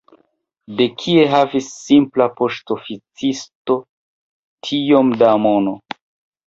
De kie havis simpla poŝtoficisto tiom da mono?